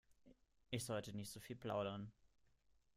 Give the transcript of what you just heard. Ich sollte nicht so viel plaudern.